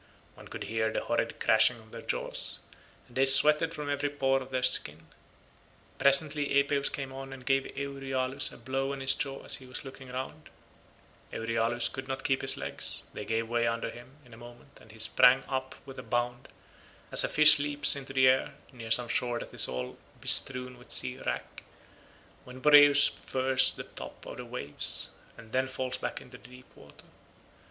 One could hear the horrid crashing of their jaws, and they sweated from every pore of their skin. Presently Epeus came on and gave Euryalus a blow on the jaw as he was looking round; Euryalus could not keep his legs; they gave way under him in a moment and he sprang up with a bound, as a fish leaps into the air near some shore that is all bestrewn with sea wrack, when Boreas furs the top of the waves, and then falls back into deep water.